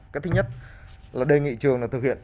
cách thứ nhất là đề nghị trường thực hiện